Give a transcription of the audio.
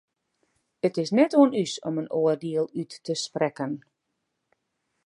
It is net oan ús om in oardiel út te sprekken.